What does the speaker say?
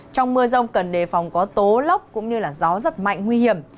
trong mưa rông cần đề phòng có tố lốc cũng như gió rất mạnh nguy hiểm